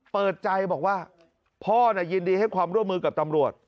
เปิดใจบอกว่าพ่อยินดีให้ความร่วมมือกับตำรวจ